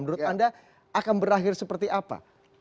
menurut anda akan berakhir seperti apa